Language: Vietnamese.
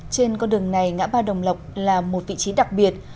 trên con đường này ngã ba đồng lộc là một vị trí đặc biệt